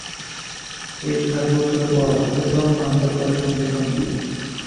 এর সাত বছর পর প্রথম হামলা করে সংগঠনটি।